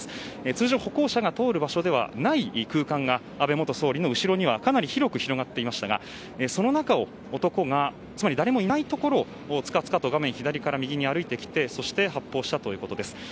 通常、歩行者が通る場所ではない空間が安倍元総理の後ろにはかなり広く広がっていましたがその中を男が、誰もいないところをつかつかと画面左から右に歩いてきてそして発砲したということです。